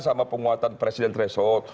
sama penguatan presiden threshold